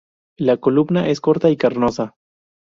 La columna es corta y carnosa.